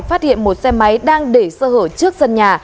phát hiện một xe máy đang để sơ hở trước sân nhà